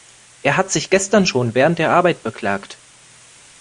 Er hat sich gestern schon während der Arbeit beklagt.